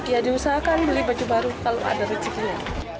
ya diusahakan beli baju baru kalau ada rezekinya